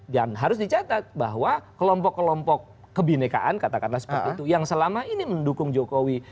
dan harus dicatat bahwa kelompok kelompok kebinekaan katakanlah seperti itu yang selama ini mendukung jokowi